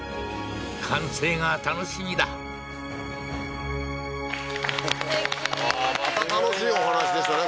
完成が楽しみだすてきまた楽しいお話でしたね